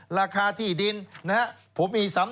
ราคาที่ดินนะครับ